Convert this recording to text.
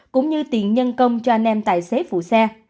cũng như tiền nhân công cho anh em tài xế phụ xe